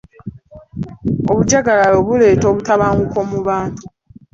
Obujjagalalo buleeta obutabanguko mu bantu.